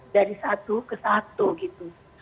dari satu ke satu gitu